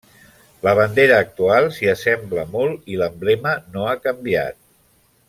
La bandera actual s'hi assembla molt i l'emblema no ha canviat.